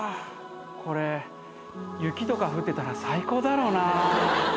これ雪とか降ってたら最高だろうな。